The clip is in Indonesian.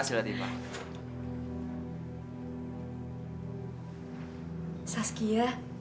kamu memang pantas sas ngedeserkan aku ya